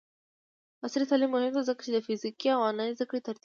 عصري تعلیم مهم دی ځکه چې د فزیکي او آنلاین زدکړې ترکیب کوي.